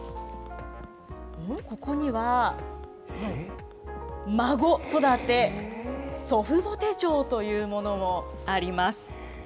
ここには孫育て、祖父母手帳というものもあります。